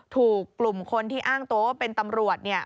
ถูกกลุ่มคนที่อ้างโตเป็นตำรวจ